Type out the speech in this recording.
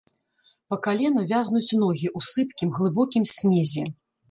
Па калена вязнуць ногі ў сыпкім, глыбокім снезе.